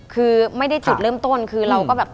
คือไม่ได้จุดเริ่มต้นคือเราก็แบบ